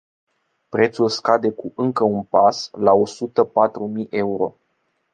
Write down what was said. Prețul scade cu încă un pas, la o sută patru mii euro.